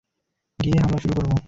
গিয়েই হামলা শুরু করব।